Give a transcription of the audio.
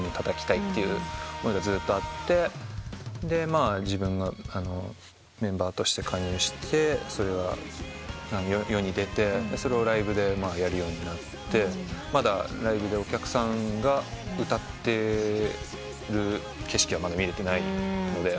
まあ自分がメンバーとして加入してそれが世に出てそれをライブでやるようになってまだライブでお客さんが歌ってる景色はまだ見られてないので。